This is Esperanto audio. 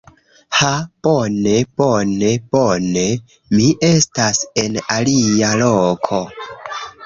Ha! Bone, bone, bone. Mi estas en alia loko.